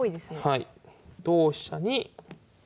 はい。